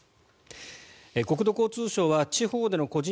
国土交通省は地方での個人